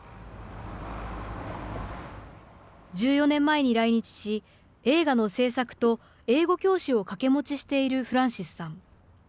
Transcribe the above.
１４年前に来日し、映画の制作と英語教師を掛け持ちしているフランシスさん。